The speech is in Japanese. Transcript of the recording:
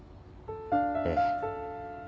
ええ。